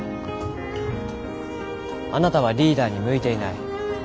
あなたはリーダーに向いていない。